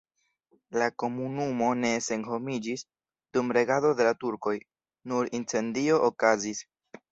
La komunumo ne senhomiĝis dum regado de la turkoj, nur incendio okazis.